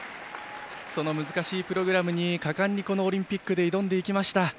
その難しいプログラムに果敢にオリンピックで挑んでいきました。